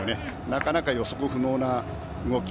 なかなか予測不能な動き